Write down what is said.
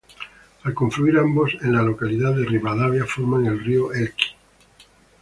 Al confluir ambos en la localidad de Rivadavia forman el río Elqui.